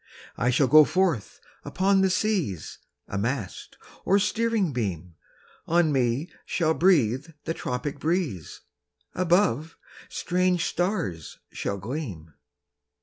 "I shall go forth upon the seas, A mast, or steering beam; On me shall breathe the tropic breeze, Above, strange stars shall gleam.'